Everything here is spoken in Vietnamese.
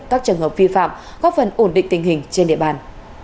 các trường hợp vi phạm góp phần ổn định tình hình trên địa bàn